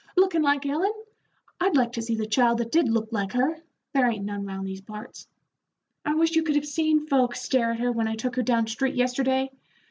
Lookin' like Ellen I'd like to see the child that did look like her; there ain't none round these parts. I wish you could have seen folks stare at her when I took her down street yesterday.